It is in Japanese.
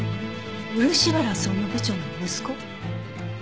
漆原総務部長の息子？